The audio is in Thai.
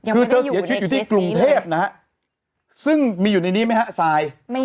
คือเธอเสียชีวิตอยู่ที่กรุงเทพนะฮะซึ่งมีอยู่ในนี้ไหมฮะทราย